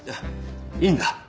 いいんだ。